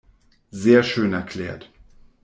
Sehr schön erklärt.